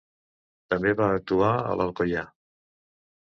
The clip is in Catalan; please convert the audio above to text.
També va actuar a l'Alcoià.